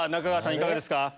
いかがですか？